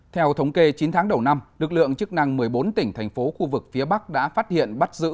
theo thống kê chín tháng đầu năm lực lượng chức năng một mươi bốn tỉnh thành phố khu vực phía bắc đã phát hiện bắt giữ